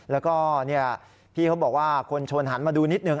แล้วก็พี่เขาบอกว่าคนชนหันมาดูนิดหนึ่ง